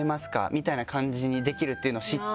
みたいな感じにできるっていうのを知って。